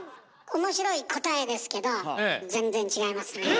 面白い答えですけど全然違いますね。